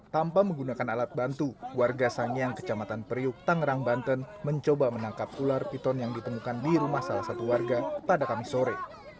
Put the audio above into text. tanpa menggunakan alat bantu warga sangiang kecamatan periuk tangerang banten mencoba menangkap ular piton yang ditemukan di rumah salah satu warga pada kamis sore